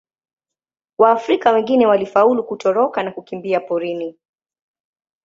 Waafrika wengine walifaulu kutoroka na kukimbia porini.